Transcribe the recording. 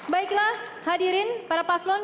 baiklah hadirin para paslon